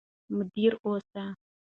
مدیر اوسئ.